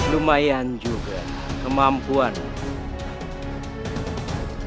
lumayan juga kemampuanmu